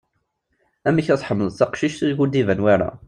Amek ar ad tḥemmeled taqcict ideg ur-d iban wara?